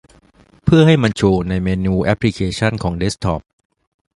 เพื่อให้มันโชว์ในเมนูแอปพลิเคชันของเดสก์ท็อป